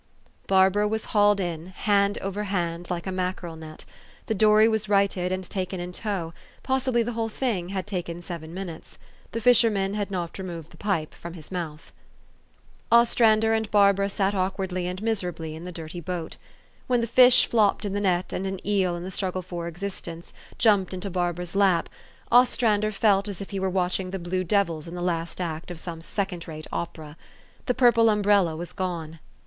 Barbara was hauled in, hand over hand, like a mackerel net ; the dory was righted, and taken in tow possibly the whole thing had taken seven minutes. The fisherman had not removed the pipe from his mouth. 350 THE STORY OF AVIS. Ostrander and Barbara sat awkwardly and miser ably in the dirty boat. When the fish flopped in the net, and an eel, in the struggle for existence, jumped into Barbara's lap, Ostrander felt as if he were watching the blue devils in the last act of some second rate opera. The purple umbrella was gone.